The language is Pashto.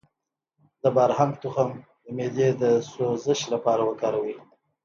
د بارهنګ تخم د معدې د سوزش لپاره وکاروئ